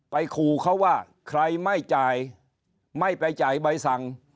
ขู่เขาว่าใครไม่จ่ายไม่ไปจ่ายใบสั่ง